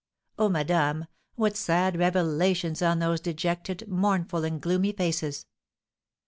Oh, madame, what sad revelations on those dejected, mournful, and gloomy faces!